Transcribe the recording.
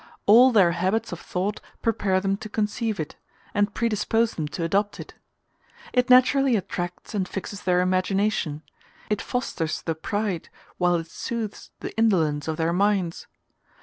All their habits of thought prepare them to conceive it, and predispose them to adopt it. It naturally attracts and fixes their imagination; it fosters the pride, whilst it soothes the indolence, of their minds.